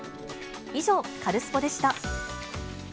以上、カルスポっ！でした。